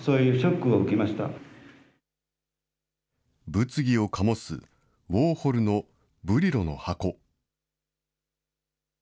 物議を醸すウォーホルのブリロの箱。